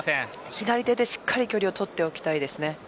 左手でしっかり距離をとっておきたいです。